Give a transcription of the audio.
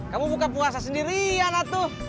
kamu buka puasa sendirian atuh